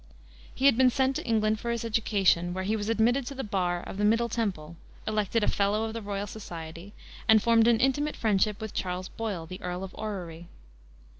He had been sent to England for his education, where he was admitted to the bar of the Middle Temple, elected a Fellow of the Royal Society, and formed an intimate friendship with Charles Boyle, the Earl of Orrery.